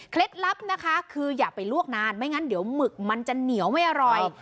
ลับนะคะคืออย่าไปลวกนานไม่งั้นเดี๋ยวหมึกมันจะเหนียวไม่อร่อย